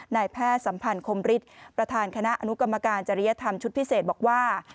นายแพทย์สัมพันธ์คมฤทธิ์ประธานคณะอนุกรรมการจริยธรรมชุดพิเศษบอกว่า